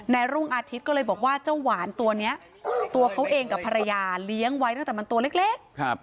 รุ่งอาทิตย์ก็เลยบอกว่าเจ้าหวานตัวนี้ตัวเขาเองกับภรรยาเลี้ยงไว้ตั้งแต่มันตัวเล็ก